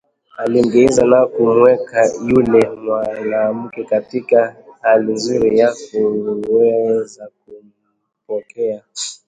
Alimgeuza na kumweka yule mwanamke katika hali nzuri ya kuweza kumpokea